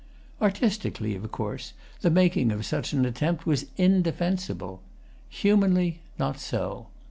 Artistically, of course, the making of such an attempt was indefensible. Humanly, not so.